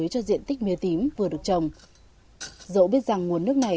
rồng dẫu biết rằng nguồn nước này